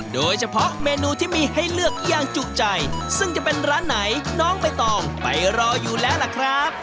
โดยเฉพาะเมนูที่มีให้เลือกอย่างจุใจซึ่งจะเป็นร้านไหนน้องใบตองไปรออยู่แล้วล่ะครับ